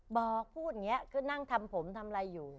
บอกพูดอย่างนี้คือนั่งทำผมทำอะไรอยู่